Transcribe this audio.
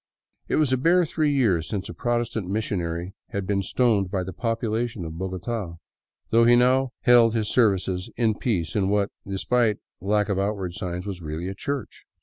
It was a bare three years since a Protestant missionary had been stoned by the populace of Bogota, though he now held his services in peace in what, despite the lack of outward signs, was really a church.